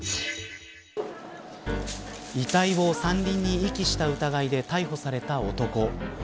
遺体を山林に遺棄した疑いで逮捕された男。